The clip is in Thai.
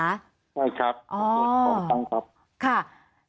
ใช่ครับตรวจต้องครับ